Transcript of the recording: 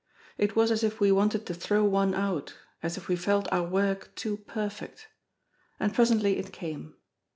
It was as if we wanted to throw one out, as if we felt our work too perfect. And presently it came.